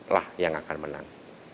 lah yang akan menang